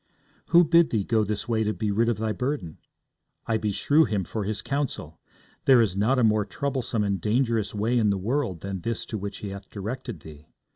'Who bid thee go this way to be rid of thy burden? I beshrew him for his counsel. There is not a more troublesome and dangerous way in the world than this is to which he hath directed thee.